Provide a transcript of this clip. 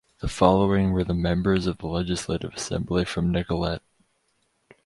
The following were the members of the Legislative Assembly from Nicolet.